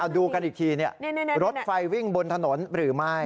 ดูกันอีกทีรถไฟวิ่งบนถนนหรือไม่